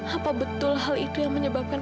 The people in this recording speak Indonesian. apa betul hal itu yang menyebabkan